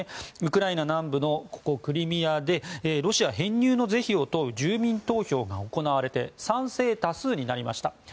ウクライナ南部のクリミアでロシア編入の是非を問う住民投票が行われて賛成多数になりました。